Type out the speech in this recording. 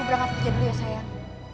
berangkat kerja dulu ya sayang